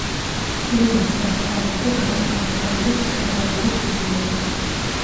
პირველი საჩუქარი იყო გრაფ ალექსანდრე სტროგანოვის ბიბლიოთეკა.